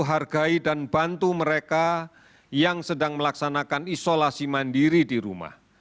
hargai dan bantu mereka yang sedang melaksanakan isolasi mandiri di rumah